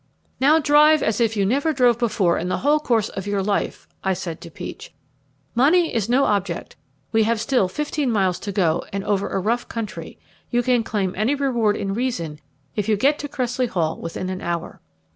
"Now drive as you never drove before in the whole course of your life," I said to Peach. "Money is no object. We have still fifteen miles to go, and over a rough country. You can claim any reward in reason if you get to Cressley Hall within an hour."